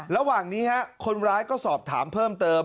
ระหว่างนี้คนร้ายก็สอบถามเพิ่มเติม